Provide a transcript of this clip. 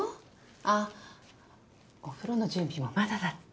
あっお風呂の準備もまだだった。